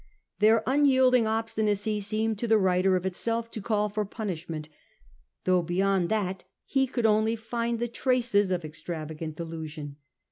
Their unyielding obstinacy seemed to the writer of itself to call for punishment, though beyond that he could only find the traces of extravagant delusion.